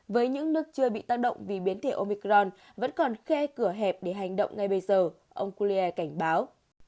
với những nước chưa bị tác động vì biến thể omicron vẫn còn khe cửa hẹp để hành động ngay bây giờ ông kulier cảnh báo